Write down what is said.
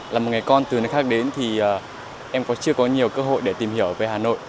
là một người con từ nơi khác đến thì em có chưa có nhiều cơ hội để tìm hiểu về hà nội